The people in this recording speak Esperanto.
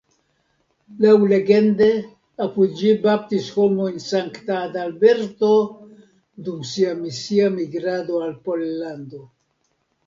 Laŭlegende apud ĝi baptis homojn Sankta Adalberto, dum sia misia migrado al Pollando.